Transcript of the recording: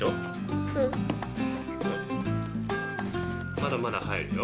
まだまだはいるよ。